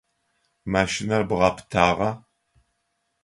Машинэр бгъапытагъа?